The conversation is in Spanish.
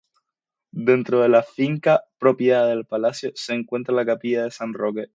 Dentro de la finca propiedad del palacio se encuentra la capilla de San Roque.